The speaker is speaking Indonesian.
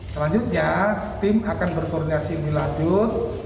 selanjutnya tim akan berkoordinasi berlanjut